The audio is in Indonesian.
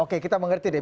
oke kita mengerti deh